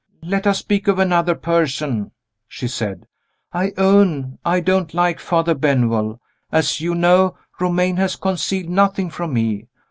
"Let us speak of another person," she said; "I own I don't like Father Benwell. As you know, Romayne has concealed nothing from me.